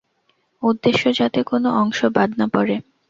উদ্দেশ্য, যাতে কোনো অংশ বাদ না পড়ে।